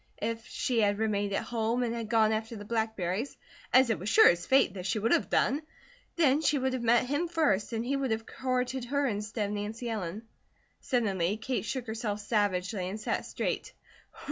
If she had remained at home and had gone after the blackberries, as it was sure as fate that she would have done, then she would have met him first, and he would have courted her instead of Nancy Ellen. Suddenly Kate shook herself savagely and sat straight.